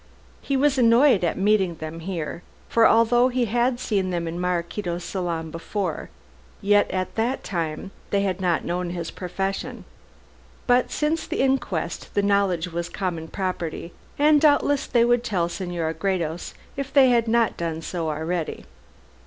He was annoyed at meeting them here, for although he had seen them in Maraquito's salon before, yet at that time they had not known his profession. But since the inquest the knowledge was common property, and doubtless they would tell Senora Gredos if they had not done so already.